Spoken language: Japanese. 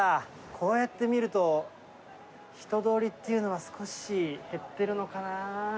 こうやって見ると、人通りっていうのは少し減っているのかな。